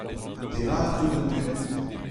demat tout an dud.